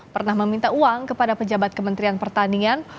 pernah meminta uang kepada pejabat kementerian pertanian